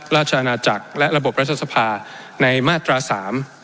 ราชอาณาจักรและระบบรัฐสภาในมาตราสาม